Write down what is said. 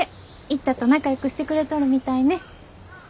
一太と仲良くしてくれとるみたいね。